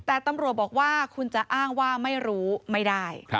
แต่ตำรวจบอกว่าคุณจะอ้างว่าไม่รู้ไม่ได้